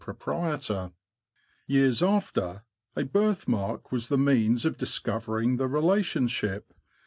proprietor. Years after, a birthmark was the means of discovering the relationship.